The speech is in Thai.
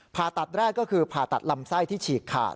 ผ่าตัดแรกก็คือผ่าตัดลำไส้ที่ฉีกขาด